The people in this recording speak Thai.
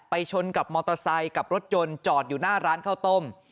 ชนกับมอเตอร์ไซค์กับรถยนต์จอดอยู่หน้าร้านข้าวต้ม